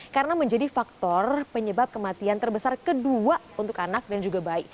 karena menjadi faktor penyebab kematian terbesar kedua untuk anak dan juga bayi